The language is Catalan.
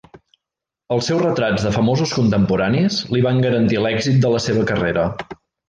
Els seus retrats de famosos contemporanis li van garantir l'èxit de la seva carrera.